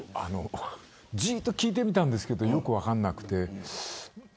じっと聞いてみたんですけどよく分からなくて。